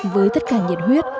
với tất cả nhiệt huyết